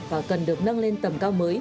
và cần được nâng lên tầm cao mới